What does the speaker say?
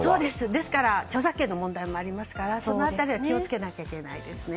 ですから著作権の問題もありますからその辺りは気をつけなきゃいけないですね。